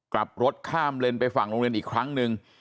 กลับรถข้ามเลนไปฝั่งโรงเรียนอีกครั้งหนึ่ง